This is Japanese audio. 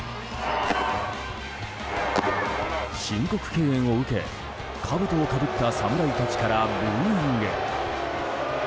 申告敬遠を受け、かぶとをかぶった侍たちからブーイング。